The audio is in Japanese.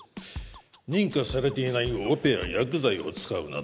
認可されていないオペや薬剤を使うなど